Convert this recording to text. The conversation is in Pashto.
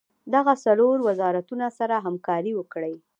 دغه څلور وزارتونه سره همکاري وکړي.